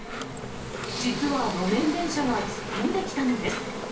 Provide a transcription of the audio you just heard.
実は路面電車が突っ込んできたのです。